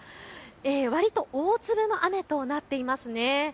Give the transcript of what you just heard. わりと大粒の雨となっていますね。